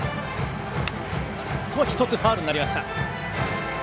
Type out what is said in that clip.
１つ、ファウルになりました。